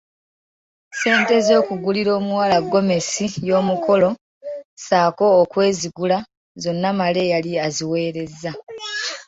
Ssente z'okugulira omuwala gomesi y'omukolo ssaako okwezigula zonna Male yali aziweerezza.